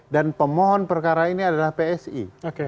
pemohon perkara ini adalah psi